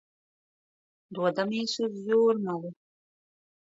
Dodamies uz Jūrmalu.